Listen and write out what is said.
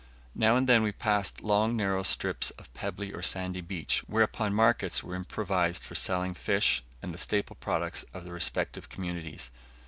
Now and then we passed long narrow strips of pebbly or sandy beach, whereon markets were improvised for selling fish, and the staple products of the respective communities.